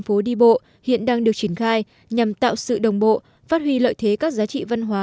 phố đi bộ hiện đang được triển khai nhằm tạo sự đồng bộ phát huy lợi thế các giá trị văn hóa